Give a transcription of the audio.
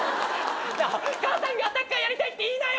なあ母さんがアタッカーやりたいって言いなよ。